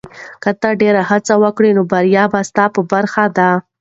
که ته ډېره هڅه وکړې، نو بریا ستا په برخه ده.